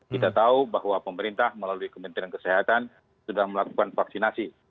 kita tahu bahwa pemerintah melalui kementerian kesehatan sudah melakukan vaksinasi